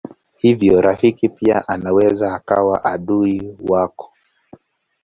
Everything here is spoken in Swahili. Hivyo rafiki pia anaweza akawa ndiye adui wako.